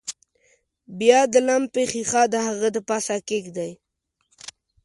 بیا د لمپې ښيښه د هغه د پاسه کیږدئ.